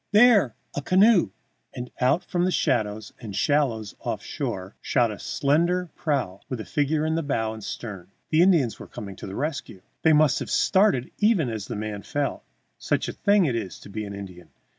There! A canoe!" And out from the shadows and shallows off shore shot a slender prow with a figure in bow and stern. The Indians were coming to the rescue! They must have started even as the man fell, such a thing it is to be an Indian!